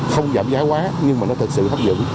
không giảm giá quá nhưng mà nó thật sự hấp dẫn